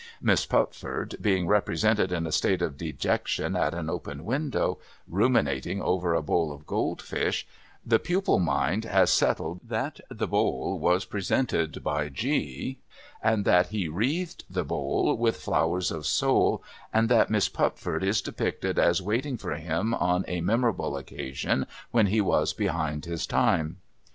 Miss Pupford being represented in a state of dejection at an open window, ruminating over a bowl of gold fish, the pupil mind has settled that the bowl was presented by G, and that he wreathed the bowl with flowers of soul, and that Miss Pupford is depicted as waiting for him on a memorable occasion when he was behind his time.